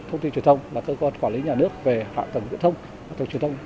thì tôi nghĩ rằng là cơ bản đã đáp ứng được